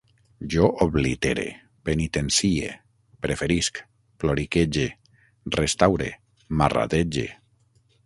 Jo oblitere, penitencie, preferisc, ploriquege, restaure, marradege